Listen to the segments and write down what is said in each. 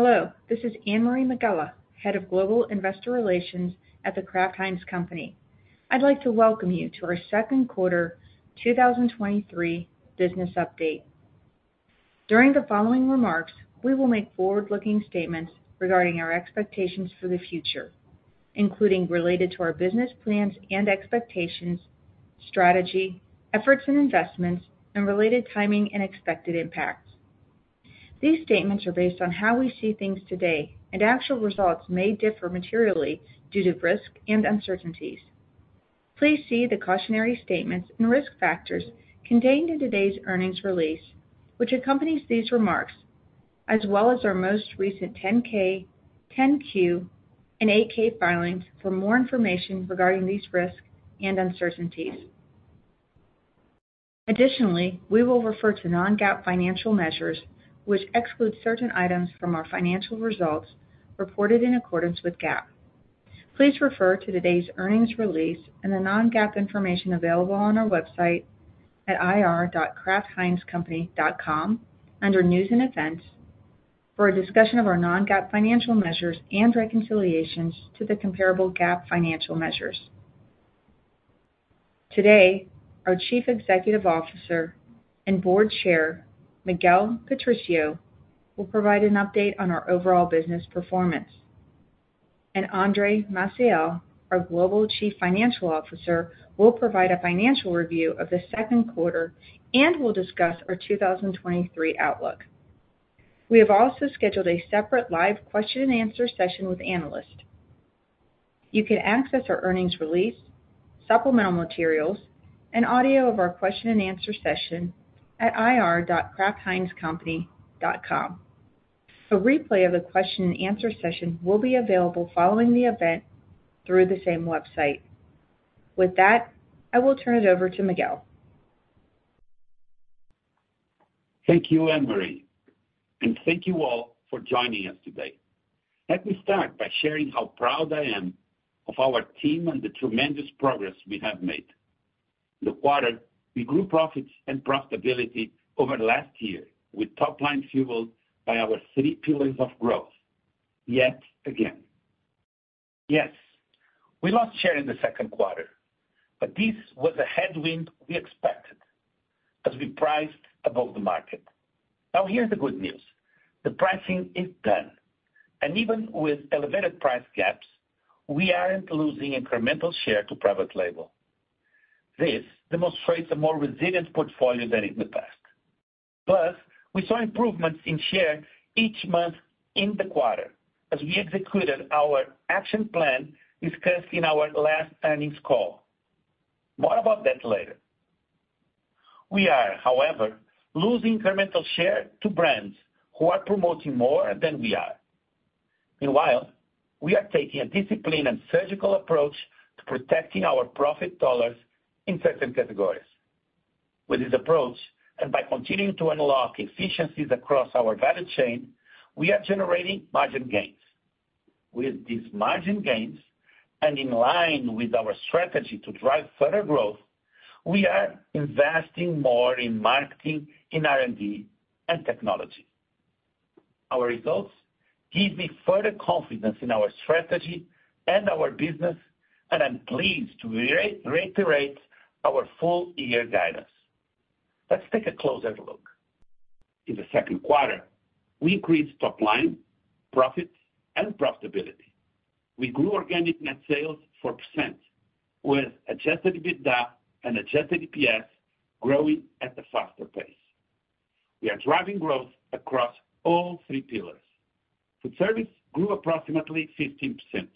Hello, this is Anne-Marie Megela, Head of Global Investor Relations at The Kraft Heinz Company. I'd like to welcome you to our second quarter 2023 business update. During the following remarks, we will make forward-looking statements regarding our expectations for the future, including related to our business plans and expectations, strategy, efforts and investments, and related timing and expected impacts. These statements are based on how we see things today, and actual results may differ materially due to risk and uncertainties. Please see the cautionary statements and risk factors contained in today's earnings release, which accompanies these remarks, as well as our most recent 10-K, 10-Q, and 8-K filings for more information regarding these risks and uncertainties. Additionally, we will refer to non-GAAP financial measures, which exclude certain items from our financial results reported in accordance with GAAP. Please refer to today's earnings release and the non-GAAP information available on our website at ir.kraftheinzcompany.com under News and Events for a discussion of our non-GAAP financial measures and reconciliations to the comparable GAAP financial measures. Today, our Chief Executive Officer and Board Chair, Miguel Patricio, will provide an update on our overall business performance. Andre Maciel, our Global Chief Financial Officer, will provide a financial review of the second quarter and will discuss our 2023 outlook. We have also scheduled a separate live Q&A session with analysts. You can access our earnings release, supplemental materials, and audio of our Q&A session at ir.kraftheinzcompany.com. A replay of the Q&A session will be available following the event through the same website. With that, I will turn it over to Miguel. Thank you, Anne-Marie. Thank you all for joining us today. Let me start by sharing how proud I am of our team and the tremendous progress we have made. In the quarter, we grew profits and profitability over last year, with top line fueled by our three pillars of growth yet again. Yes, we lost share in the second quarter. This was a headwind we expected as we priced above the market. Here's the good news: the pricing is done, and even with elevated price gaps, we aren't losing incremental share to private label. This demonstrates a more resilient portfolio than in the past. We saw improvements in share each month in the quarter as we executed our action plan discussed in our last earnings call. More about that later. We are, however, losing incremental share to brands who are promoting more than we are. Meanwhile, we are taking a disciplined and surgical approach to protecting our profit dollars in certain categories. With this approach, and by continuing to unlock efficiencies across our value chain, we are generating margin gains. With these margin gains, and in line with our strategy to drive further growth, we are investing more in marketing, in R&D, and technology. Our results give me further confidence in our strategy and our business, and I'm pleased to reiterate our full year guidance. Let's take a closer look. In the second quarter, we increased top line, profits, and profitability. We grew organic net sales 4%, with adjusted EBITDA and adjusted EPS growing at a faster pace. We are driving growth across all three pillars. Foodservice grew approximately 15%,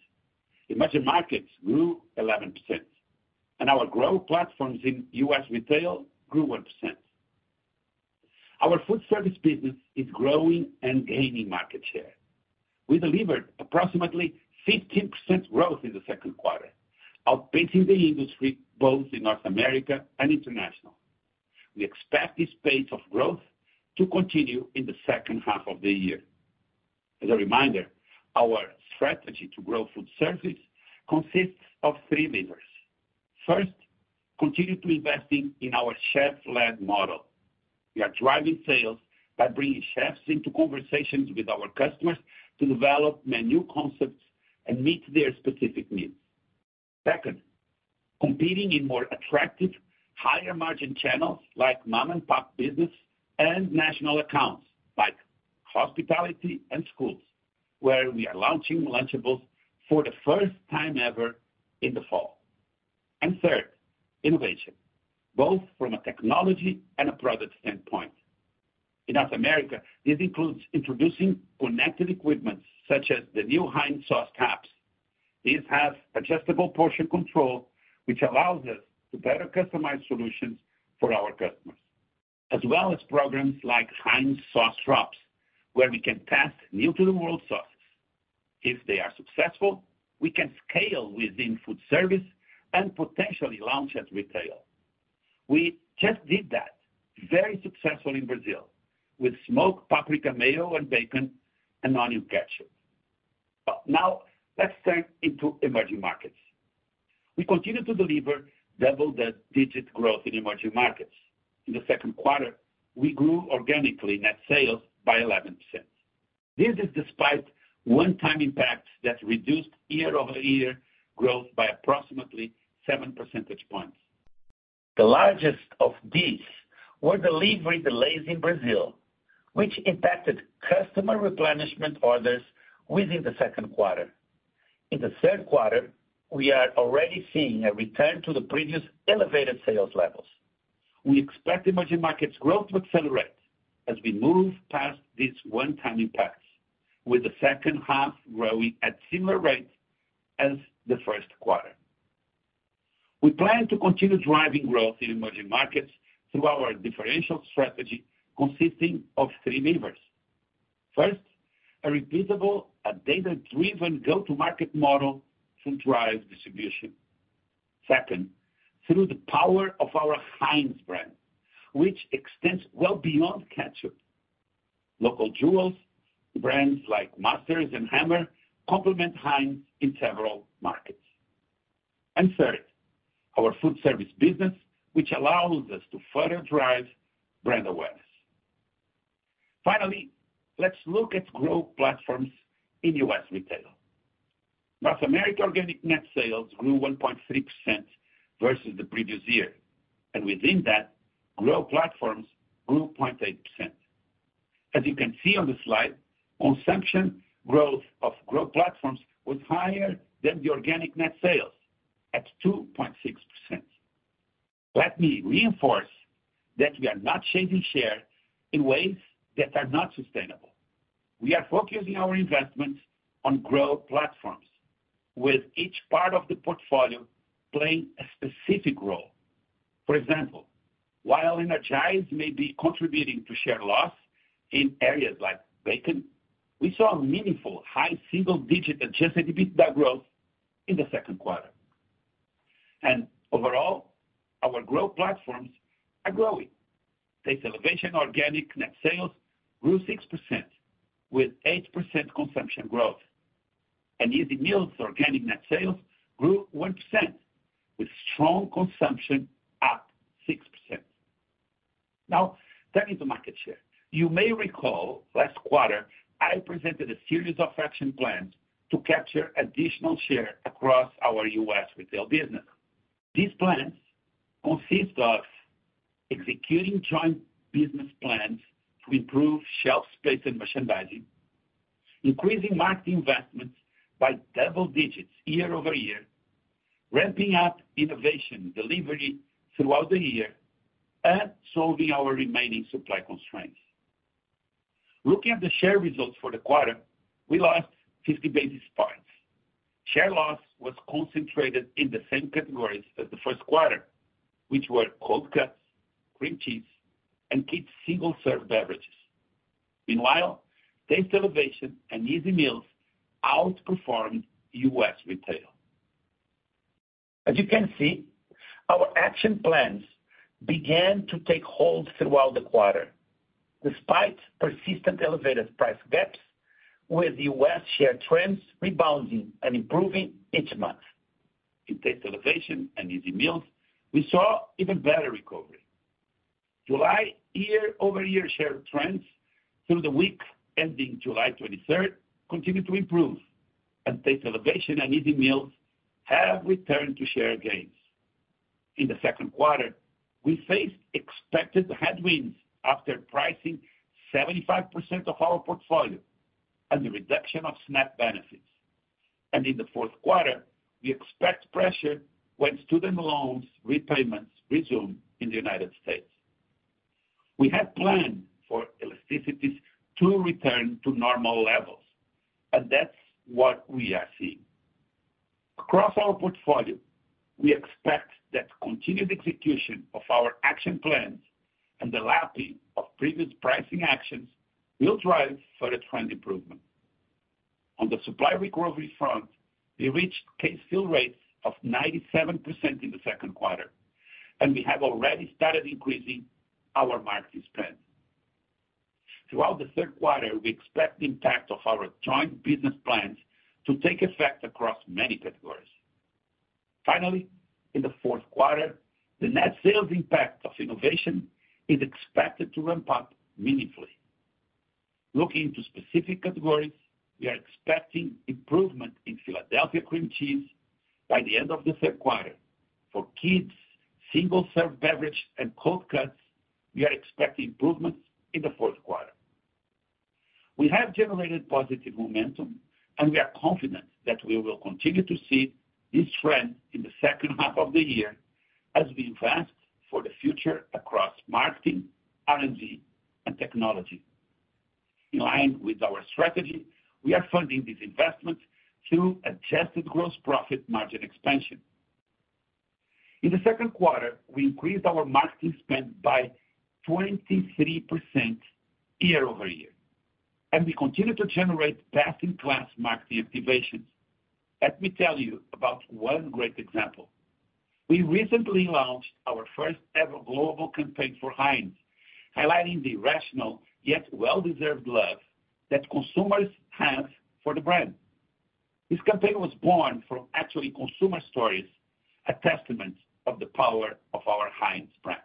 emerging markets grew 11%, and our growth platforms in U.S. retail grew 1%. Our foodservice business is growing and gaining market share. We delivered approximately 15% growth in the second quarter, outpacing the industry both in North America and International. We expect this pace of growth to continue in the second half of the year. As a reminder, our strategy to grow foodservice consists of three levers. First, continue to investing in our chef-led model. We are driving sales by bringing chefs into conversations with our customers to develop menu concepts and meet their specific needs. Second, competing in more attractive, higher-margin channels like mom-and-pop business and national accounts like hospitality and schools, where we are launching Lunchables for the first time ever in the fall. Third, innovation, both from a technology and a product standpoint. In North America, this includes introducing connected equipment such as the new Heinz Sauce Taps. These have adjustable portion control, which allows us to better customize solutions for our customers, as well as programs like Heinz Sauce Drops, where we can test new-to-the-world sauces. If they are successful, we can scale within foodservice and potentially launch at retail. We just did that very successfully in Brazil with smoked paprika mayo and bacon and onion ketchup. Let's turn into emerging markets. We continue to deliver double-digit growth in emerging markets. In the second quarter, we grew organic net sales by 11%. This is despite one-time impacts that reduced year-over-year growth by approximately 7 percentage points. The largest of these were delivery delays in Brazil, which impacted customer replenishment orders within the second quarter. In the third quarter, we are already seeing a return to the previous elevated sales levels. We expect emerging markets growth to accelerate as we move past these one-time impacts, with the second half growing at similar rates as the first quarter. We plan to continue driving growth in emerging markets through our differential strategy, consisting of three levers. First, a repeatable and data-driven go-to-market model to drive distribution. Second, through the power of our Heinz brand, which extends well beyond ketchup. Local jewels, brands like Master and Hemmer, complement Heinz in several markets. Third, our foodservice business, which allows us to further drive brand awareness. Finally, let's look at growth platforms in U.S. retail. North America organic net sales grew 1.6% versus the previous year, and within that, growth platforms grew 0.8%. As you can see on the slide, consumption of growth platforms was higher than the organic net sales at 2.6%. Let me reinforce that we are not changing share in ways that are not sustainable. We are focusing our investments on growth platforms, with each part of the portfolio playing a specific role. For example, while Energize may be contributing to share loss in areas like bacon, we saw a meaningful high single-digit adjusted EBITDA growth in the second quarter. Overall, our growth platforms are growing. Taste Elevation organic net sales grew 6%, with 8% consumption growth, and Easy Meals organic net sales grew 1% with strong consumption up 6%. Now, turning to market share. You may recall last quarter, I presented a series of action plans to capture additional share across our U.S. retail business. These plans consist of executing joint business plans to improve shelf space and merchandising, increasing marketing investments by double digits year-over-year, ramping up innovation delivery throughout the year, and solving our remaining supply constraints. Looking at the share results for the quarter, we lost 50 basis points. Share loss was concentrated in the same categories as the first quarter, which were cold cuts, cream cheese, and kids' single-serve beverages. Meanwhile, Taste Elevation and Easy Meals outperformed U.S. retail. As you can see, our action plans began to take hold throughout the quarter, despite persistent elevated price gaps, with U.S. share trends rebounding and improving each month. In Taste Elevation and Easy Meals, we saw even better recovery. July year-over-year share trends through the week ending 23 July continued to improve, and Taste Elevation and Easy Meals have returned to share gains. In the second quarter, we faced expected headwinds after pricing 75% of our portfolio and the reduction of SNAP benefits. In the fourth quarter, we expect pressure when student loans repayments resume in the United States. We have planned for elasticities to return to normal levels, and that's what we are seeing. Across our portfolio, we expect that continued execution of our action plans and the lapping of previous pricing actions will drive further trend improvement. On the supply recovery front, we reached case fill rates of 97% in the second quarter, and we have already started increasing our market spend. Throughout the third quarter, we expect the impact of our joint business plans to take effect across many categories. In the fourth quarter, the net sales impact of innovation is expected to ramp up meaningfully. Looking into specific categories, we are expecting improvement in Philadelphia Cream Cheese by the end of the third quarter. For kids, single-serve beverage, and cold cuts, we are expecting improvements in the fourth quarter. We have generated positive momentum, and we are confident that we will continue to see this trend in the second half of the year as we invest for the future across marketing, R&D, and technology. In line with our strategy, we are funding these investments through adjusted gross profit margin expansion. In the second quarter, we increased our marketing spend by 23% year-over-year, and we continue to generate best-in-class marketing activations. Let me tell you about one great example. We recently launched our first-ever global campaign for Heinz, highlighting the rational, yet well-deserved love that consumers have for the brand. This campaign was born from actually consumer stories, a testament of the power of our Heinz brand.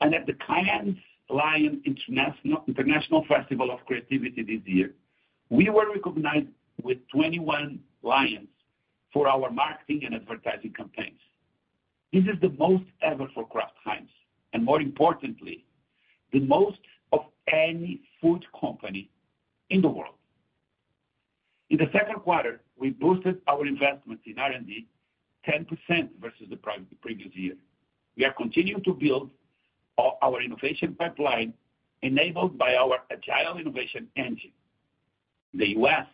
At the Cannes Lions International Festival of Creativity this year, we were recognized with 21 Lions for our marketing and advertising campaigns. This is the most ever for Kraft Heinz, and more importantly, the most of any food company in the world. In the second quarter, we boosted our investment in R&D 10% versus the previous year. We are continuing to build our innovation pipeline, enabled by our agile innovation engine. In the U.S.,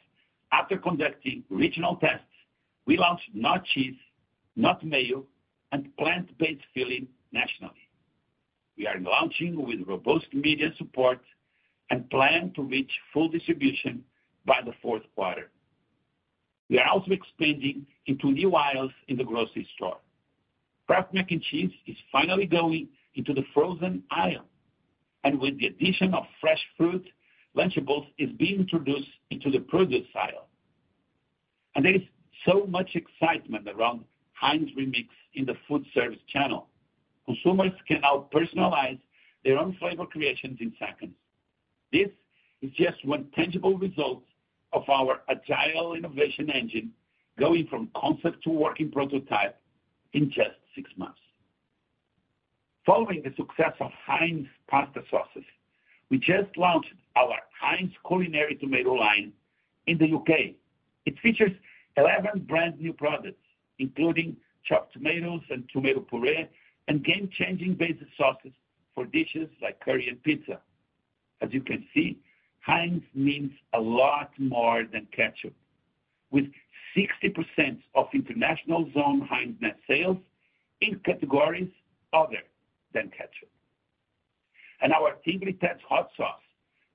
after conducting regional tests, we launched NotCheese, NotMayo, and plant-based filling nationally. We are launching with robust media support and plan to reach full distribution by the fourth quarter. We are also expanding into new aisles in the grocery store. Kraft Mac & Cheese is finally going into the frozen aisle, and with the addition of fresh fruit, Lunchables is being introduced into the produce aisle. There is so much excitement around HEINZ REMIX in the food service channel. Consumers can now personalize their own flavor creations in seconds. This is just one tangible result of our agile innovation engine, going from concept to working prototype in just six months. Following the success of Heinz Pasta Sauces, we just launched our Heinz Culinary Tomato line in the U.K.. It features 11 brand new products, including chopped tomatoes and tomato puree, and game-changing basic sauces for dishes like curry and pizza. As you can see, Heinz means a lot more than ketchup, with 60% of International Zone Heinz net sales in categories other than ketchup. Our Tingly Ted's hot sauce,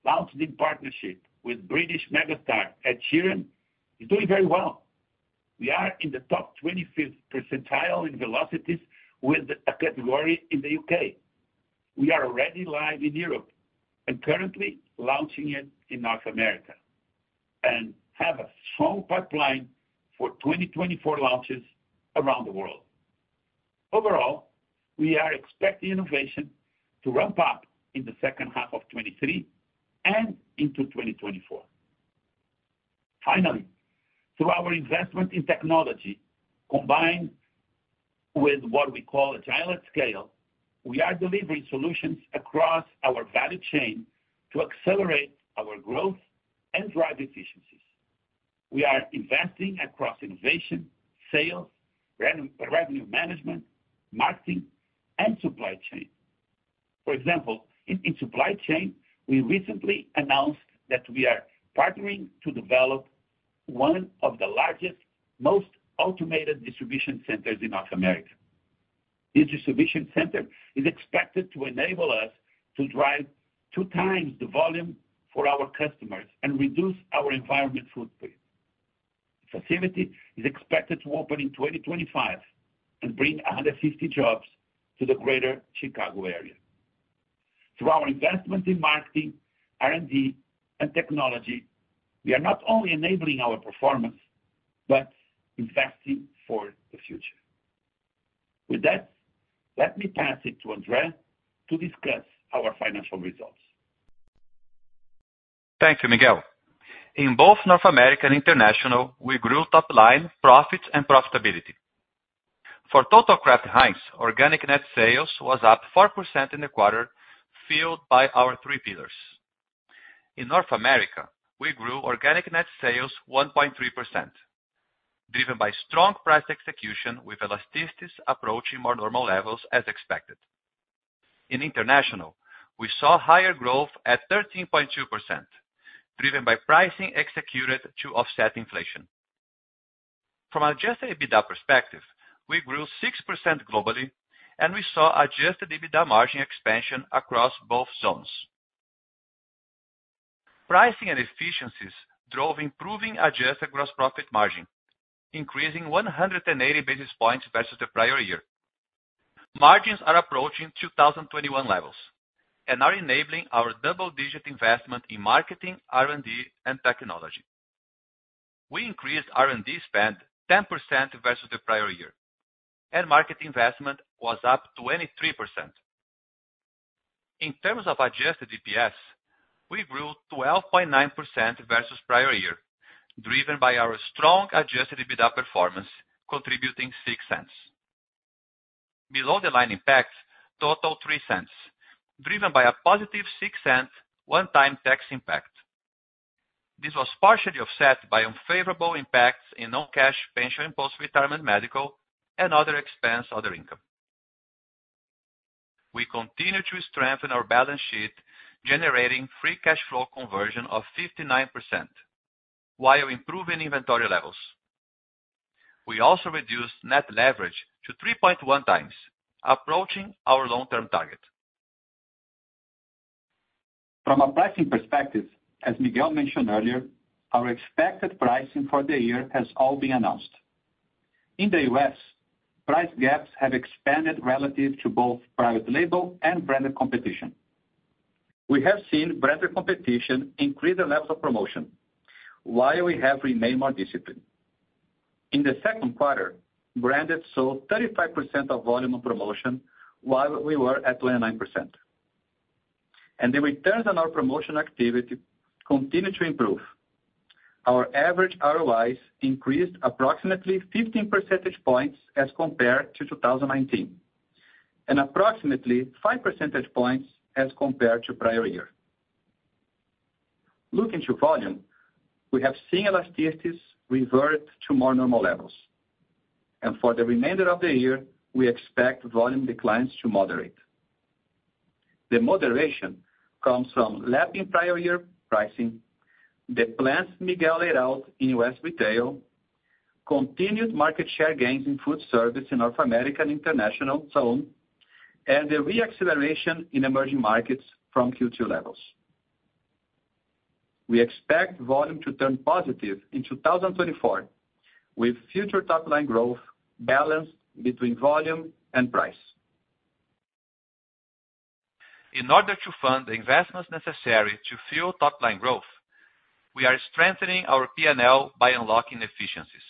launched in partnership with British megastar, Ed Sheeran, is doing very well. We are in the top 25th percentile in velocities with a category in the UK. We are already live in Europe and currently launching it in North America, and have a strong pipeline for 2024 launches around the world. Overall, we are expecting innovation to ramp up in the second half of 2023 and into 2024. Finally, through our investment in technology, combined with what we call agile at scale, we are delivering solutions across our value chain to accelerate our growth and drive efficiencies. We are investing across innovation, sales, revenue management, marketing, and supply chain. For example, in supply chain, we recently announced that we are partnering to develop one of the largest, most automated distribution centers in North America. This distribution center is expected to enable us to drive 2x the volume for our customers and reduce our environment footprint. The facility is expected to open in 2025 and bring 150 jobs to the Greater Chicago area. Through our investment in marketing, R&D, and technology, we are not only enabling our performance, but investing for the future. With that, let me pass it to Andre to discuss our financial results. Thank you, Miguel. In both North America and International, we grew top line profits and profitability. For total Kraft Heinz, organic net sales was up 4% in the quarter, fueled by our three pillars. In North America, we grew organic net sales 1.3%, driven by strong price execution, with elasticities approaching more normal levels as expected. In International, we saw higher growth at 13.2%, driven by pricing executed to offset inflation. From adjusted EBITDA perspective, we grew 6% globally, and we saw adjusted EBITDA margin expansion across both zones. Pricing and efficiencies drove improving adjusted gross profit margin, increasing 180 basis points versus the prior year. Margins are approaching 2021 levels and are enabling our double-digit investment in marketing, R&D, and technology. We increased R&D spend 10% versus the prior year. Market investment was up 23%. In terms of adjusted EPS, we grew 12.9% versus prior year, driven by our strong adjusted EBITDA performance, contributing $0.06. Below the line impact totaled $0.03, driven by a positive $0.06 one-time tax impact. This was partially offset by unfavorable impacts in non-cash, pension, post-retirement, medical, and other expense, other income. We continue to strengthen our balance sheet, generating free cash flow conversion of 59%, while improving inventory levels. We also reduced net leverage to 3.1x, approaching our long-term target. From a pricing perspective, as Miguel mentioned earlier, our expected pricing for the year has all been announced. In the U.S., price gaps have expanded relative to both private label and branded competition. We have seen branded competition increase the levels of promotion while we have remained more disciplined. In the second quarter, branded saw 35% of volume of promotion, while we were at 29%. The returns on our promotion activity continued to improve. Our average ROIs increased approximately 15 percentage points as compared to 2019, and approximately 5 percentage points as compared to prior year. Looking to volume, we have seen elasticities revert to more normal levels, and for the remainder of the year, we expect volume declines to moderate. The moderation comes from lapping prior year pricing, the plans Miguel laid out in U.S. retail, continued market share gains in food service in North America International Zone, and the re-acceleration in emerging markets from Q2 levels. We expect volume to turn positive in 2024, with future top-line growth balanced between volume and price. In order to fund the investments necessary to fuel top-line growth, we are strengthening our PNL by unlocking efficiencies.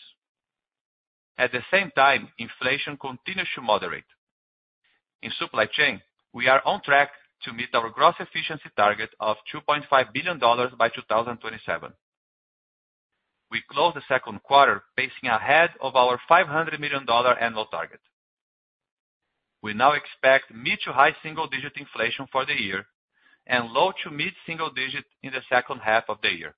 At the same time, inflation continues to moderate. In supply chain, we are on track to meet our gross efficiency target of $2.5 billion by 2027. We closed the second quarter, pacing ahead of our $500 million annual target. We now expect mid to high single digit inflation for the year and low- to mid-single digit in the second half of the year.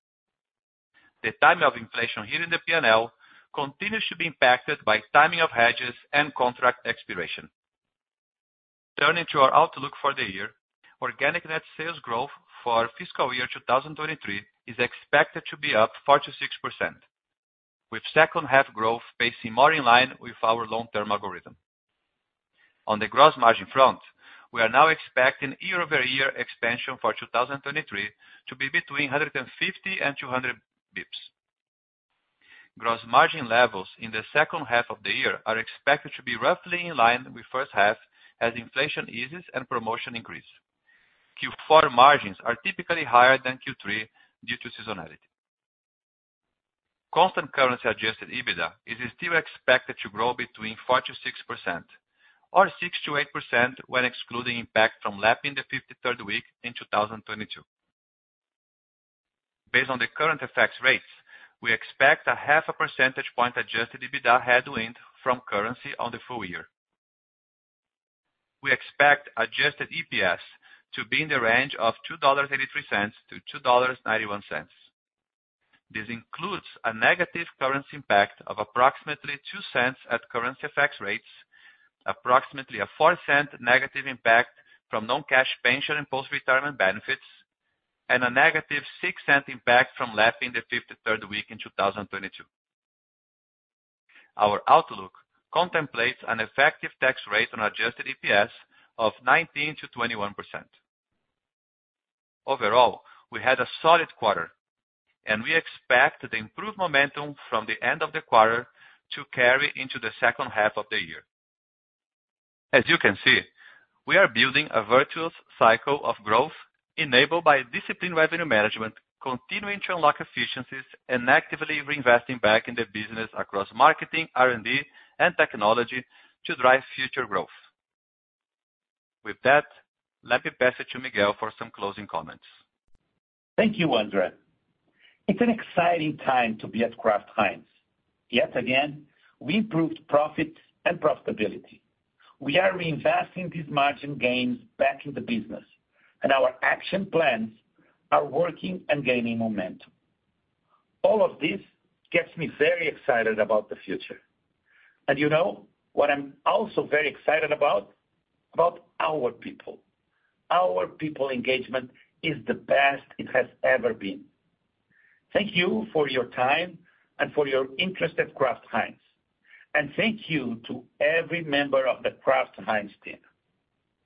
The timing of inflation here in the PNL continues to be impacted by timing of hedges and contract expiration. Turning to our outlook for the year, organic net sales growth for fiscal year 2023 is expected to be up 4%-6%, with second half growth pacing more in line with our long-term algorithm. On the gross margin front, we are now expecting year-over-year expansion for 2023 to be between 150 and 200 basis points. Gross margin levels in the second half of the year are expected to be roughly in line with first half as inflation eases and promotion increase. Q4 margins are typically higher than Q3 due to seasonality. Constant currency adjusted EBITDA is still expected to grow between 4%-6% or 6%-8% when excluding impact from lapping the 53rd week in 2022. Based on the current effects rates, we expect a 0.5 percentage point adjusted EBITDA headwind from currency on the full year. We expect adjusted EPS to be in the range of $2.83-$2.91. This includes a negative currency impact of approximately $0.02 at currency effect rates, approximately a $0.04 negative impact from non-cash pension and post-retirement benefits, and a negative $0.06 impact from lapping the 53rd week in 2022. Our outlook contemplates an effective tax rate on adjusted EPS of 19%-21%. Overall, we had a solid quarter, and we expect the improved momentum from the end of the quarter to carry into the second half of the year. As you can see, we are building a virtuous cycle of growth enabled by disciplined revenue management, continuing to unlock efficiencies, and actively reinvesting back in the business across marketing, R&D, and technology to drive future growth. With that, let me pass it to Miguel for some closing comments. Thank you, Andre. It's an exciting time to be at Kraft Heinz. Yet again, we improved profit and profitability. We are reinvesting these margin gains back in the business, and our action plans are working and gaining momentum. All of this gets me very excited about the future. You know what I'm also very excited about? About our people. Our people engagement is the best it has ever been. Thank you for your time and for your interest at Kraft Heinz, and thank you to every member of the Kraft Heinz team.